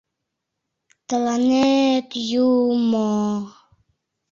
«Тылане-ет, ю-у-мо-о!»